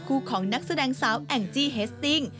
คู่ของนักแสดงสาวแองจี้เฮสติ้ง